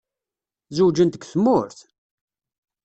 Zewǧent deg tmurt?